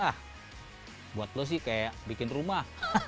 ah buat lo sih kayak bikin rumah